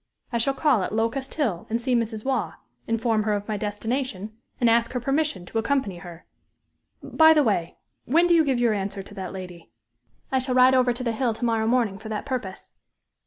I shall call at Locust Hill and see Mrs. Waugh, inform her of my destination, and ask her permission to accompany her. By the way when do you give your answer to that lady?" "I shall ride over to the Hill to morrow morning for that purpose."